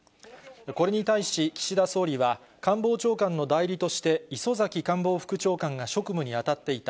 これに対し、岸田総理は、官房長官の代理として、磯崎官房副長官が職務に当たっていた。